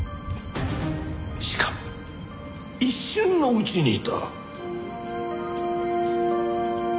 しかも一瞬のうちにだ。